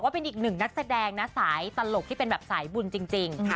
เป็นอีกหนึ่งนักแสดงนะสายตลกที่เป็นแบบสายบุญจริง